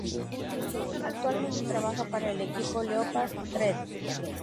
Actualmente trabaja para el equipo Leopard Trek.